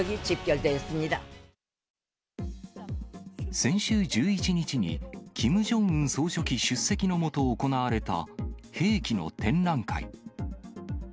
先週１１日に、キム・ジョンウン総書記出席の下、行われた兵器の展覧会。